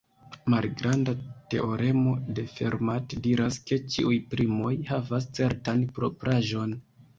Malgranda teoremo de Fermat diras ke ĉiuj primoj havas certan propraĵon.